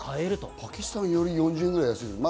パキスタンより４０円ぐらい安いんだね。